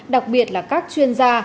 đặc biệt là các chuyên gia